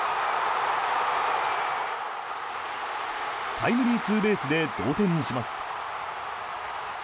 タイムリーツーベースで同点にします。